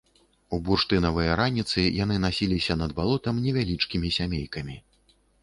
У бурштынавыя раніцы яны насіліся над балотам невялічкімі сямейкамі.